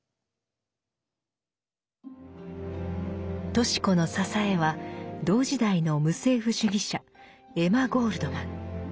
とし子の支えは同時代の無政府主義者エマ・ゴールドマン。